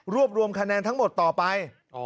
รวมรวมคะแนนทั้งหมดต่อไป